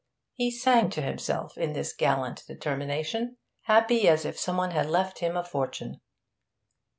He sang to himself in this gallant determination, happy as if some one had left him a fortune.